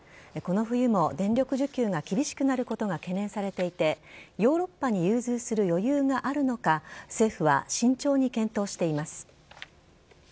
この冬も電力需給が厳しくなることが懸念されていてヨーロッパに融通する余裕があるのか政府は慎重に検討しています。